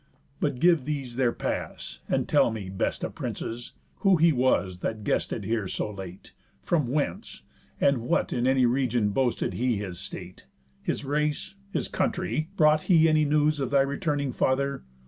But give these their pass, And tell me, best of princes, who he was That guested here so late? From whence? And what In any region boasted he his state? His race? His country? Brought he any news Of thy returning father?